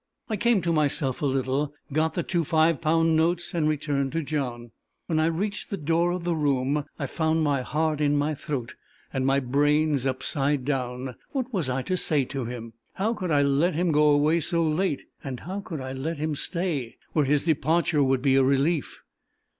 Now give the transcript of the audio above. I came to myself a little, got the two five pound notes, and returned to John. When I reached the door of the room, I found my heart in my throat, and my brains upside down. What was I to say to him? How could I let him go away so late? and how could I let him stay where his departure would be a relief?